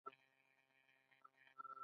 ایا فاسټ فوډ خورئ؟